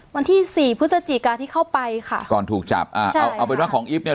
วันที่สี่พฤศจิกาที่เข้าไปค่ะก่อนถูกจับอ่าเอาเอาเป็นว่าของอีฟเนี่ย